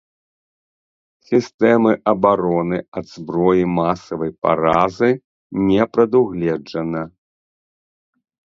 Сістэмы абароны ад зброі масавай паразы не прадугледжана.